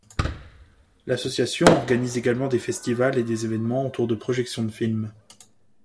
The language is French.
L'association organise également des festivals et des évènements autour de projections de films.